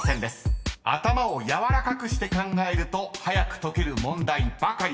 ［頭を柔らかくして考えると早く解ける問題ばかりです］